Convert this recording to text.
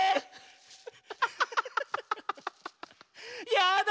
やだ！